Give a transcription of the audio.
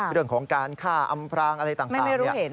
เรื่องของการฆ่าอำพรางอะไรต่างเนี่ย